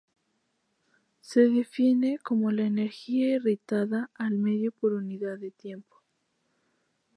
Se define como la energía irradiada al medio por unidad de tiempo.